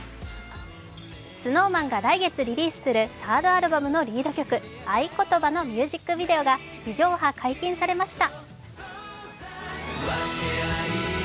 ＳｎｏｗＭａｎが来月リリースする３ｒｄアルバムのリード曲、「あいことば」のミュージックビデオが地上波解禁されました。